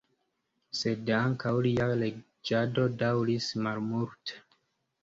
Sed ankaŭ lia reĝado daŭris malmulte.